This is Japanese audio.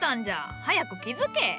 早く気付け。